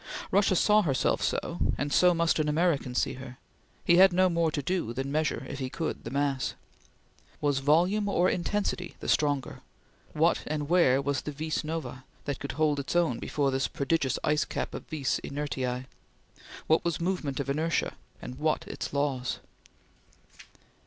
Russia saw herself so, and so must an American see her; he had no more to do than measure, if he could, the mass. Was volume or intensity the stronger? What and where was the vis nova that could hold its own before this prodigious ice cap of vis inertiae? What was movement of inertia, and what its laws?